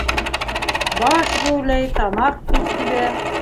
Баш геүләй, тамаҡ кибә.